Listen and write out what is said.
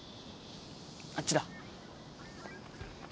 あっちだ！